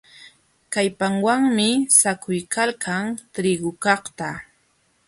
Kallpawanmi saćhuykalkan trigukaqta.